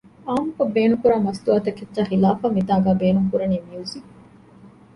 ޢާއްމުކޮށް ބޭނުންކުރާ މަސްތުވާ ތަކެއްޗާ ޚިލާފަށް މިތާނގައި ބޭނުން ކުރަނީ މިޔުޒިއް